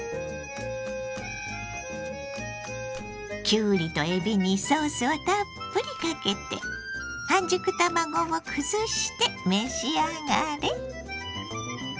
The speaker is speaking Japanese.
きゅうりとえびにソースをたっぷりかけて半熟卵をくずして召し上がれ！